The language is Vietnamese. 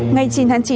ngày chín tháng chín